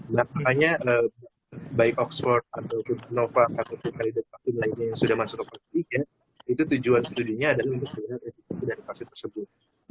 makanya baik oxford atau nova atau ketika lidah vaksin lainnya yang sudah masuk ke vaksin itu tujuan studinya adalah untuk mengurangkan resiko dari vaksin tersebut